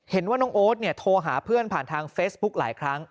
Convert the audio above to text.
เห็นว่าน้องโอ๊ตเนี่ยโทรหาเพื่อนผ่านทางเฟซบุ๊กหลายครั้ง